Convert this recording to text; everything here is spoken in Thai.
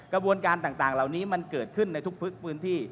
กระบวนการต่างเหล่านี้มันเกิดขึ้นในทุกพื้นที่